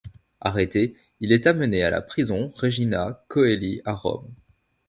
Arrêté, il est amené à la prison Regina Coeli à Rome.